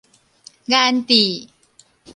顏智